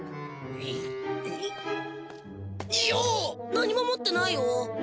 何も持ってないよ。